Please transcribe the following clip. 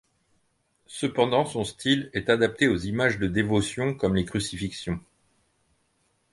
Cependant son style est adapté aux images de dévotions comme les crucifixions.